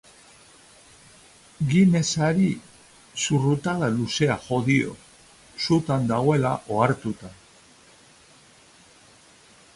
Guinnessari zurrutada luzea jo dio, sutan dagoela ohartuta.